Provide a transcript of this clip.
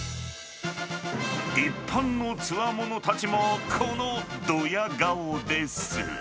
一般のつわものたちも、このどや顔です。